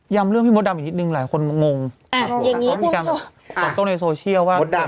ยำเรื่องพี่มดดำอีกนิดนึงหลายคนมีตรงในโซเชียลว่า